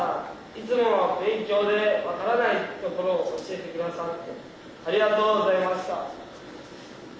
いつも勉強で分からないところを教えて下さってありがとうございました。